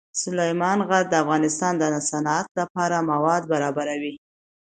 سلیمان غر د افغانستان د صنعت لپاره مواد برابروي.